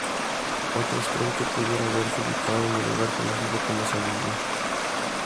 Otros creen que pudiera haberse ubicado en el lugar conocido como "San Miguel".